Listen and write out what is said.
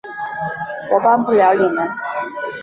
我帮不了你们